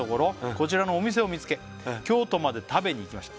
「こちらのお店を見つけ京都まで食べに行きました」